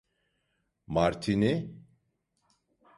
Martini?